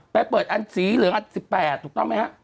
ไปเปิดอันสีเหลืองอัน๑๘ถูกต้องไหมฮะ